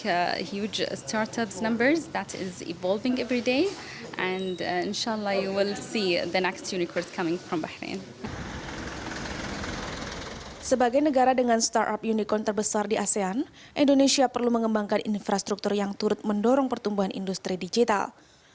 yang terpenting bagi indonesia adalah ekosistem bisnis yang aman dan kebebasan bagi warganya untuk berwirausaha menggunakan teknologi digital dengan nyaman